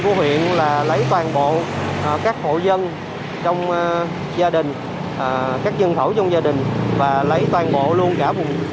của huyện là lấy toàn bộ các hộ dân trong gia đình các dân khẩu trong gia đình và lấy toàn bộ luôn cả vùng